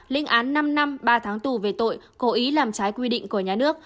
linh án năm năm ba tháng tù về tội cố ý làm trái quy định của nhà nước